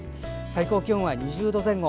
最高気温は２０度前後。